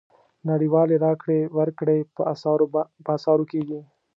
نړیوالې راکړې ورکړې په اسعارو کېږي.